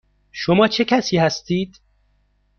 شما چه کسی هستید؟